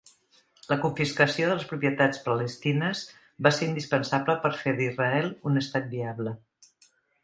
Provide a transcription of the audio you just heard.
La confiscació de les propietats palestines va ser indispensable per fer d'Israel un estat viable.